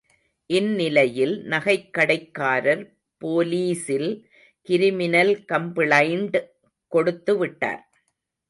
இந்நிலையில் நகைக் கடைக்காரர் போலீசில் கிரிமினல் கம்பிளைண்ட் கொடுத்து விட்டார்.